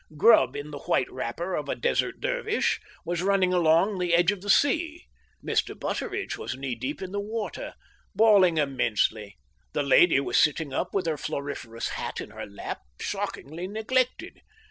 Grubb, in the white wrapper of a Desert Dervish, was running along the edge of the sea. Mr. Butteridge was knee deep in the water, bawling immensely. The lady was sitting up with her floriferous hat in her lap, shockingly neglected.